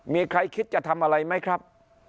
มีใครคิดจะทำอะไรไหมครับ